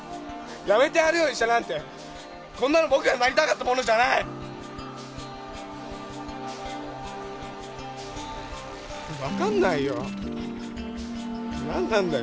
やめてやる医者なんてこんなの僕がなりたかったものじゃない分かんないよ何なんだよ？